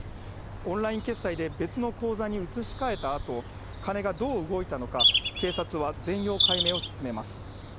オンライン決済で別の口座に移し替えたあと、金がどう動いたのか、警察は全容解明を進めます。